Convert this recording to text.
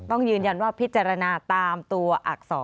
ต้องยืนยันว่าพิจารณาตามตัวอักษร